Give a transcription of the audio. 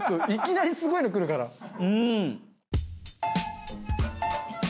いきなりすごいのくるから。